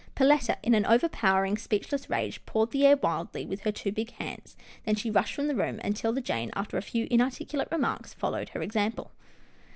Perletta, in an overpowering, speechless rage, pawed the air wildly with her two big hands, then she rushed from the room, and 'Tilda Jane, after a few inarticulate remarks, followed her example.